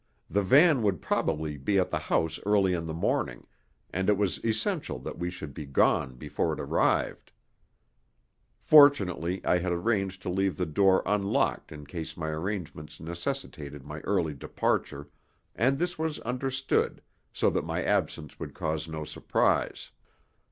The van would probably be at the house early in the morning, and it was essential that we should be gone before it arrived. Fortunately I had arranged to leave the door unlocked in case my arrangements necessitated my early departure, and this was understood, so that my absence would cause no surprise.